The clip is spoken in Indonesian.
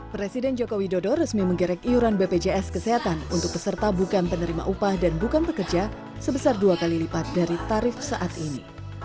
presiden jokowi dodo resmi menggerek iuran bpjs kesehatan untuk peserta bukan penerima upah dan bukan pekerja sebesar dua kali lipat dari tarif saat ini